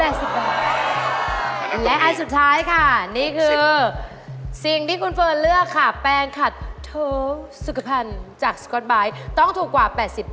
ถูกกว่าถูกกว่าถูกกว่าถูกกว่า